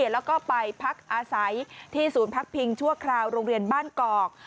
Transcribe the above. แล้วก็ไปพักอาศัยที่ศูนย์พักพิงชั่วคราวโรงเรียนบ้านกอก